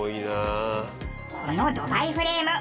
このドバイフレーム。